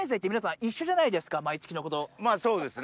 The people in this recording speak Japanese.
まぁそうですね。